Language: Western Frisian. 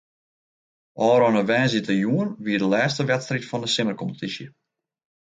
Ofrûne woansdeitejûn wie de lêste wedstriid fan de simmerkompetysje.